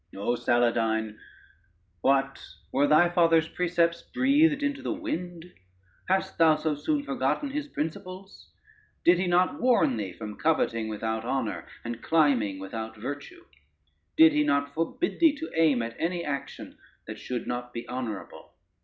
O Saladyne, what, were thy father's precepts breathed into the wind? hast thou so soon forgotten his principles? did he not warn thee from coveting without honor, and climbing without virtue? did he not forbid thee to aim at any action that should not be honorable?